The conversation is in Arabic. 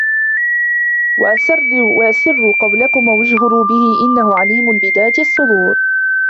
وأسروا قولكم أو اجهروا به إنه عليم بذات الصدور